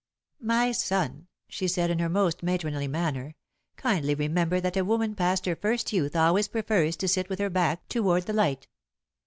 "My son," she said, in her most matronly manner, "kindly remember that a woman past her first youth always prefers to sit with her back toward the light."